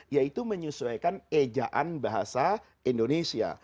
yaitu menyesuaikan ejaan bahasa indonesia